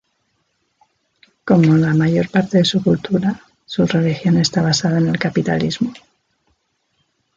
Como la mayor parte de su cultura, su religión está basada en el capitalismo.